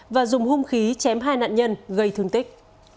và dùng hung khí chém hai nạn nhân gây thương tích